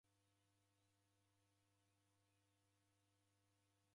Okunda uende w'udenyi!